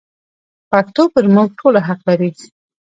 پښتو پر موږ ټولو حق لري.